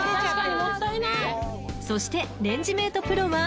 ［そしてレンジメートＰＲＯは？］